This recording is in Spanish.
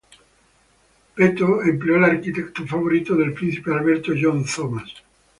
Peto empleó al arquitecto favorito del Príncipe Alberto, John Thomas.